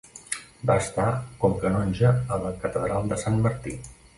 Va estar com canonge a la catedral de Sant Martí.